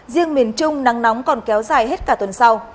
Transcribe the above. riêng miền trung nắng nóng còn kéo dài hết cả tuần sau